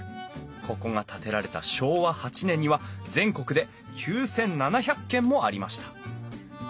ここが建てられた昭和８年には全国で９，７００軒もありました。